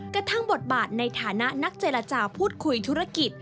กระทั่งบทบาทในฐานะนักเจรจาพูดคุยธุรกิจ